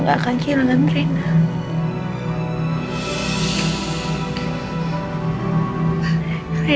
kami adalah yang lebih misi